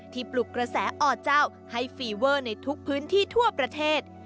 ปลุกกระแสอเจ้าให้ฟีเวอร์ในทุกพื้นที่ทั่วประเทศ